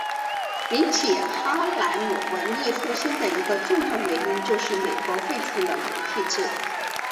引起哈莱姆文艺复兴的一个重要原因就是美国废除了奴隶制。